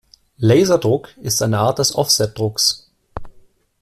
Laserdruck ist eine Art des Offsetdrucks.